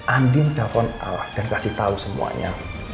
andin telpon al dan kasih tau semuanya